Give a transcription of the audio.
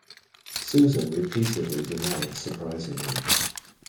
Susan repeatedly denied surprising him.